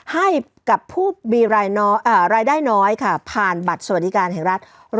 ให้กับผู้มีรายได้น้อยค่ะผ่านบัตรสวัสดิการแห่งรัฐ